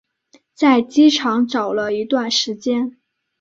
在机场找了一段时间